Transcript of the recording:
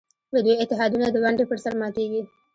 د دوی اتحادونه د ونډې پر سر ماتېږي.